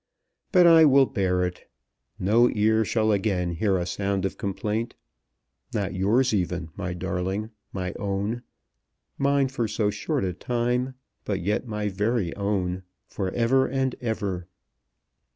But I will bear it. No ear shall again hear a sound of complaint. Not yours even, my darling, my own, mine for so short a time, but yet my very own for ever and ever."